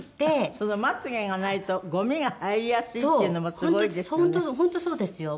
そのまつ毛がないとゴミが入りやすいっていうのもすごいですよね。